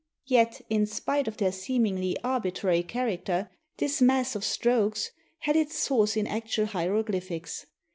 Yet, in spite of their seemingly arbitrary character, this mass of strokes had its source in actual hieroglyphics.